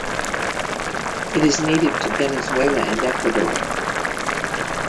It is native to Venezuela and Ecuador.